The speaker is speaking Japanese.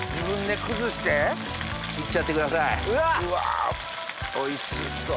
うわおいしそう。